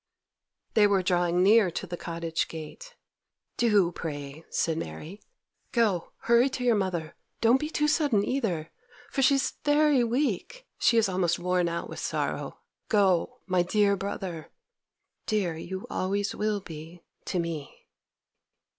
They were drawing near to the cottage gate. 'Do, pray,' said Mary. 'Go—hurry to your mother—don't be too sudden either, for she's very weak; she is almost worn out with sorrow. Go, my dear brother. Dear you always will be to me!